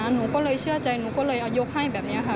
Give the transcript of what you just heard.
หนูก็เลยเชื่อใจหนูก็เลยเอายกให้แบบนี้ค่ะ